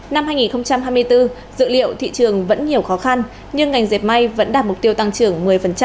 năm hai nghìn hai mươi bốn dự liệu thị trường vẫn nhiều khó khăn nhưng ngành dẹp may vẫn đạt mục tiêu tăng trưởng một mươi